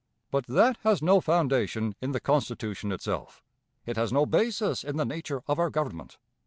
But that has no foundation in the Constitution itself; it has no basis in the nature of our Government.